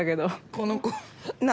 この子何？